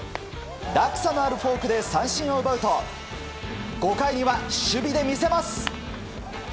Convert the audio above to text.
落差のあるフォークで三振を奪うと、５回には守備で魅せます！